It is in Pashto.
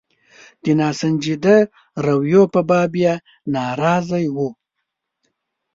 د ناسنجیده رویو په باب یې ناراضي وو.